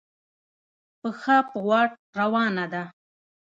پښه په واټ روانه ده.